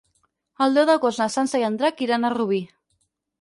El deu d'agost na Sança i en Drac iran a Rubí.